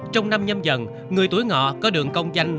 trong năm nhâm dần người tuổi ngọ có đường công danh